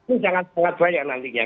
ini sangat sangat banyak nantinya